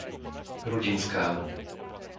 Rudinská